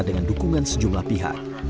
dengan dukungan sejumlah pihak